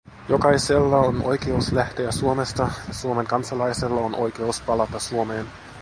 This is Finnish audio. Jokaisella on oikeus lähteä Suomesta ja Suomen kansalaisella on oikeus palata Suomeen.